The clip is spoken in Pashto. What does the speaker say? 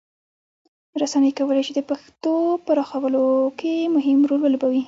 رسنۍ کولی سي د پښتو پراخولو کې مهم رول ولوبوي.